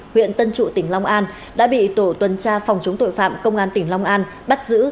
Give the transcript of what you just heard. huyện tân trụ tỉnh long an đã bị tổ tuần tra phòng chống tội phạm công an tỉnh long an bắt giữ